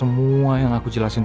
bandin bandin ini